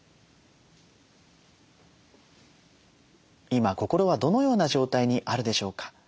今心はどのような状態にあるでしょうか。